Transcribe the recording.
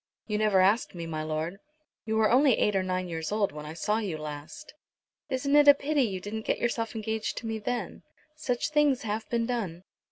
"You never asked me, my lord." "You were only eight or nine years old when I saw you last." "Isn't it a pity you didn't get yourself engaged to me then? Such things have been done."